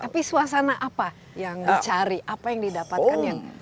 tapi suasana apa yang dicari apa yang didapatkan yang